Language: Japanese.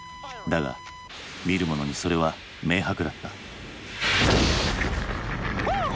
だが見る者にそれは明白だった。